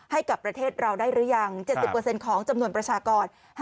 ให้กับประเทศเราได้หรือยัง๗๐ของจำนวนประชากร